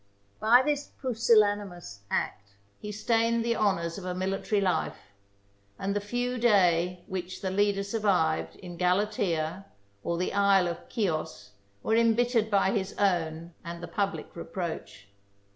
By this pusillanimous act he stained the honours of a military life; and the few day which the leader survived in Galata, or the Isle of Chios, were imbittered by his own and the public reproach.